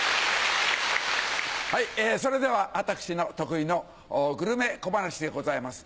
それでは私の得意のグルメ小噺でございます。